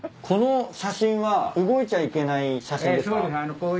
この写真は動いちゃいけない写真ですか？